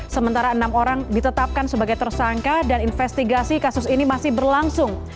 sementara enam orang ditetapkan sebagai tersangka dan investigasi kasus ini masih berlangsung